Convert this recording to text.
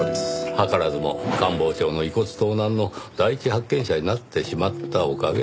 図らずも官房長の遺骨盗難の第一発見者になってしまったおかげですよ。